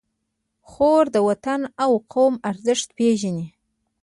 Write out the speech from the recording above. خور د وطن او قوم ارزښت پېژني.